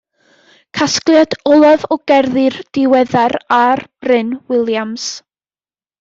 Casgliad olaf o gerddi'r diweddar R. Bryn Williams.